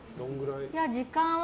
時間は？